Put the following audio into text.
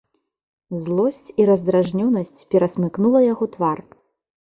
Злосць і раздражненасць перасмыкнула яго твар.